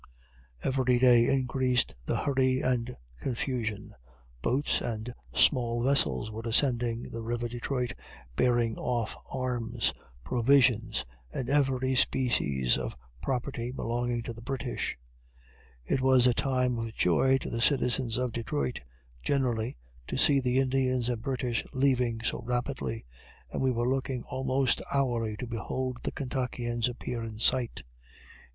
Every day increased the hurry and confusion; boats and small vessels were ascending the river Detroit, bearing off arms, provisions, and every species of property, belonging to the British. It was a time of joy to the citizens of Detroit, generally, to see the Indians and British leaving so rapidly: and we were looking almost hourly to behold the Kentuckians appear in sight.